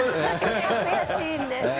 悔しいんで。